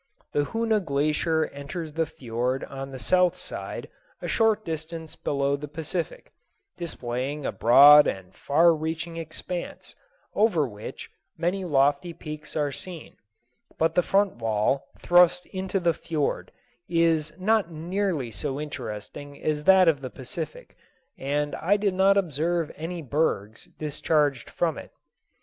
The Hoona Glacier enters the fiord on the south side, a short distance below the Pacific, displaying a broad and far reaching expanse, over which many lofty peaks are seen; but the front wall, thrust into the fiord, is not nearly so interesting as that of the Pacific, and I did not observe any bergs discharged from it.